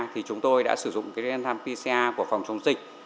thì chúng tôi đã sử dụng cái riêng tham pcr của phòng chống dịch